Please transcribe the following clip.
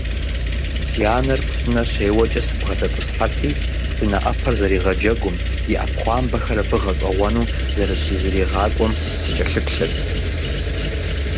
Си анэр пшынэ щеуэкӀэ сыбгъэдэтӀысхьэрти, пшынэ Ӏэпэр зэригъэджэгум, и Ӏэпхъуамбэхэр абы гъэщӀэгъуэну зэрыщызэригъакӀуэм сыкӀэлъыплъырт.